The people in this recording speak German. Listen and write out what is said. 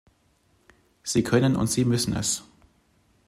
Sie können und sie müssen es.